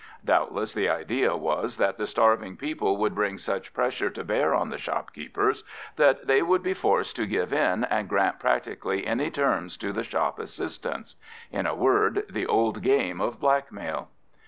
Doubtless the idea was that the starving people would bring such pressure to bear on the shopkeepers that they would be forced to give in and grant practically any terms to the shop assistants. In a word, the old game of blackmail.